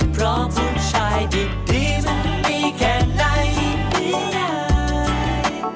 เพราะผู้ชายดีมันมีแค่ในอีกนิยาย